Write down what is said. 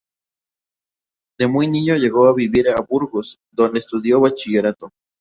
De muy niño llegó a vivir a Burgos, donde estudió bachillerato.